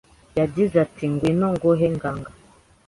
Yagize ati ngwino nguhe ndanga